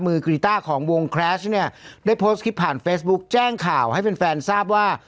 กรีต้าของวงแครชเนี่ยได้โพสต์คลิปผ่านเฟซบุ๊คแจ้งข่าวให้แฟนทราบว่า